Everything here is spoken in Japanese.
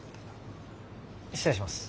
失礼します。